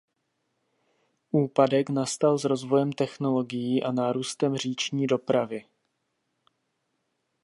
Úpadek nastal s rozvojem technologií a nárůstem říční dopravy.